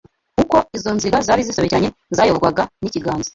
Uko izo nziga zari zisobekeranye zayoborwaga n’ikiganza